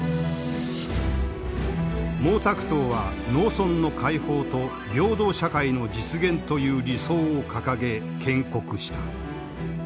毛沢東は農村の解放と平等社会の実現という理想を掲げ建国した。